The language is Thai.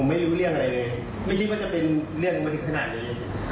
ไม่รู้เรื่องอะไรเลยไม่คิดว่าจะเป็นเรื่องมาถึงขนาดนี้